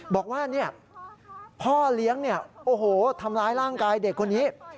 บอกว่าพ่อเลี้ยงเนี่ยโอ้โหทำร้ายร่างกายเด็กคนนี้